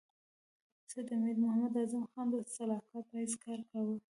سید د امیر محمد اعظم خان د سلاکار په حیث کار کاوه.